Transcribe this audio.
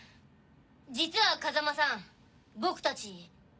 実は風間さん僕たち。